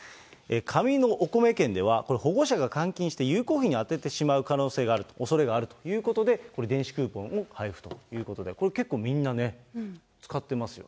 紙のおこめ券ではこれ、保護者が換金して、遊興費に充ててしまう可能性がある、おそれがあるということで、電子クーポンを配布ということで、これ結構みんなね、使ってますよね。